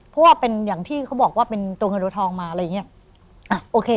เพราะว่าเป็นอย่างที่เขาบอกว่าเป็นตัวเงินตัวทองมาอะไรอย่างเงี้ยอ่ะโอเค